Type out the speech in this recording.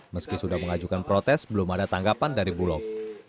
meski sudah mengajukan protes belum ada tanggapan dari bulog